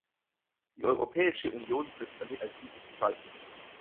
Die Europäische Union setzt damit ein gutes Zeichen.